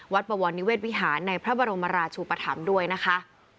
ปวรนิเวศวิหารในพระบรมราชูปธรรมด้วยนะคะ